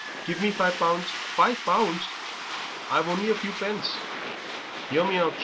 Give me five pounds " "Five pounds! I've only a few pence." "'Ear me out.